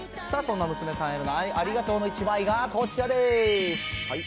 さあ、そんな娘さんへのありがとうの１枚がこちらです。